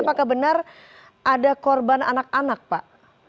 apakah benar ada korban anak anak pak